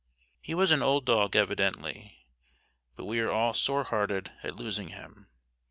He was an old dog evidently, but we are all sore hearted at losing him.